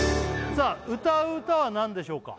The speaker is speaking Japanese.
さあ歌う歌は何でしょうか？